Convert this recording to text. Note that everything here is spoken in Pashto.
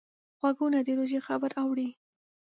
غوږونه د روژې خبر اوري